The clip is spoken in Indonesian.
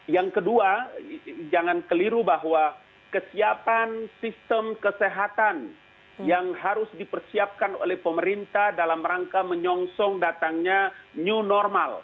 yang kedua jangan keliru bahwa kesiapan sistem kesehatan yang harus dipersiapkan oleh pemerintah dalam rangka menyongsong datangnya new normal